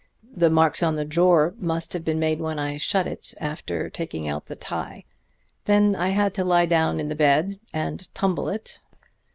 The marks on the drawer must have been made when I shut it after taking out the tie. Then I had to lie down in the bed and tumble it.